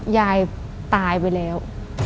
ยายตายไปแล้ว